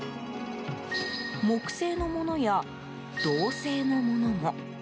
木製のものや、銅製のものも。